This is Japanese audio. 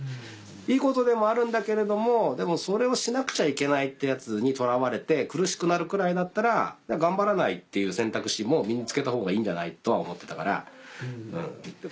いいことでもあるんだけれどもでもそれをしなくちゃいけないってやつにとらわれて苦しくなるくらいだったら頑張らないっていう選択肢も身に付けたほうがいいんじゃないとは思ってたから。